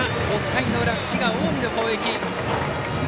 ６回の裏、滋賀・近江の攻撃。